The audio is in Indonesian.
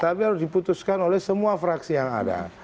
tapi harus diputuskan oleh semua fraksi yang ada